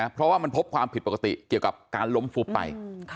เพราะว่ามันพบความผิดปกติเกี่ยวกับการล้มฟุบไป